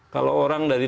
kalau orang dari